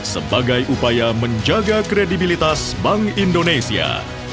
sebagai upaya menjaga kredibilitas bank indonesia